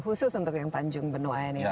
khusus untuk yang tanjung benoa ini